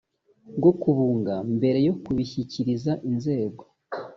bwo kubunga mbere yo kubishyikiriza inzego